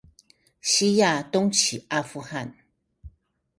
西亞東起阿富汗